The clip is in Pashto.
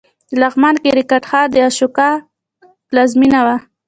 د لغمان کرکټ ښار د اشوکا پلازمېنه وه